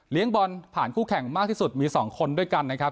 บอลผ่านคู่แข่งมากที่สุดมี๒คนด้วยกันนะครับ